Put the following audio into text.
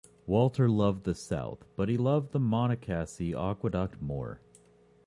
Walter loved the South, but he loved the Monocacy Aqueduct more.